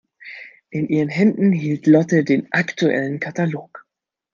In ihren Händen hielt Lotte den aktuellen Katalog.